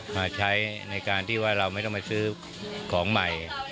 มาใช้ในการที่ว่าเราไม่ต้องมาซื้อของใหม่